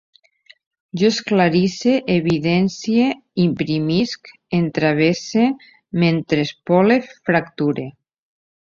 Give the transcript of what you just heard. Jo esclarisse, evidencie, imprimisc, entravesse, m'entrespole, fracture